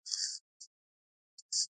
په افغانستان کې کندهار شتون لري.